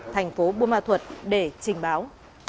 thành phố bùa ma thuật để trình báo